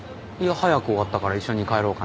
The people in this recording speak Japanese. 早く終わったから一緒に帰ろうかなと思って。